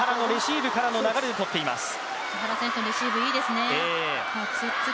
木原選手のレシーブいいですね。